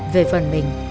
về phần mình